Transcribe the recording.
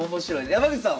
山口さんは？